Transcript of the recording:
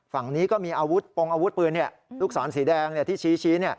ฝั่งนี้ก็มีอาวุธปงอาวุธปืนลูกศรสีแดงที่ชี้